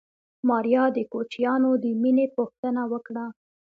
ماريا د کوچيانو د مېنې پوښتنه وکړه.